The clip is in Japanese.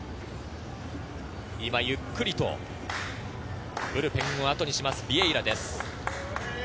今ゆっくりとブルペンをあとにします、ビエイラ。